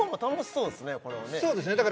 そうですねだ